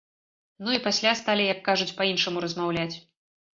Ну, і пасля сталі, як кажуць, па-іншаму размаўляць.